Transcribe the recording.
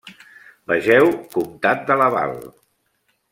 Vegeu comtat de Laval.